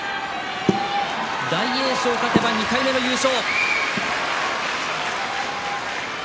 大栄翔勝てば２回目の優勝。